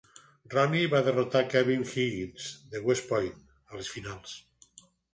Rooney va derrotar Kevin Higgins, de West Point, a les finals.